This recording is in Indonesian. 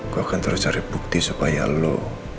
gue akan terus cari bukti supaya lo